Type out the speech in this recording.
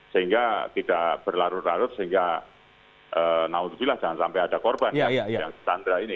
sehingga tidak berlarut larut sehingga nauddillah jangan sampai ada korban yang disandra ini